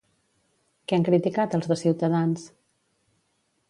Què han criticat els de Ciutadans?